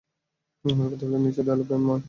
আমার প্রতিপালক নিশ্চয় দয়ালু প্রেমময়।